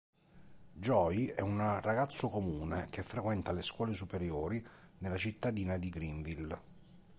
Joey è un ragazzo comune che frequenta le scuole superiori nella cittadina di Greenville.